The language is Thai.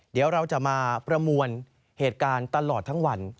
เดี๋ยวเราจะมาประมวลเหตุการณ์ตลอดทั้งวัน